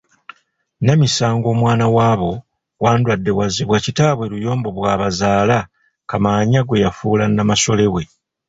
Namisango omwana waabo wa Ndwaddeewazibwa kitaabwe Luyombo bw'abazaala, Kamaanya gwe yafuula Namasole we.